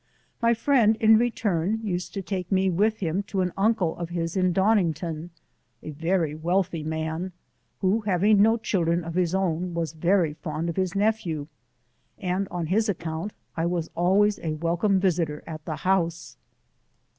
My friend in return used to take me with him to an uncle of his in Donningfon, a very wealthy man, who, having no children of his own, was very fond of B 2 8 his nephew, and on his account I was always a welcome visitor at the house.